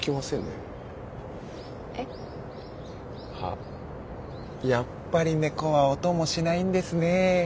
あやっぱり猫はお供しないんですねえ